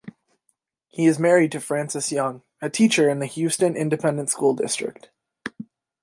He is married to Frances Young, a teacher in the Houston Independent School District.